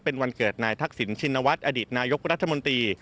เป็นวันเกิดนายทักษิณชินวัฒน์อดีตนายกรัฐมนตรี